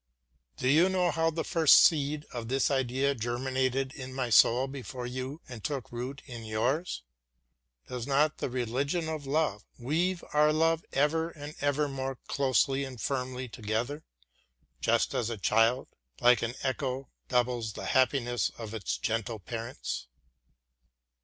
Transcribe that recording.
Do you know how the first seed of this idea germinated in my soul before you and took root in yours? Thus does the religion of love weave our love ever and ever more closely and firmly together, just as a child, like an echo, doubles the happiness of its gentle parents.